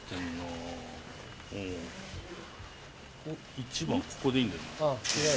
１番ここでいいんだよな？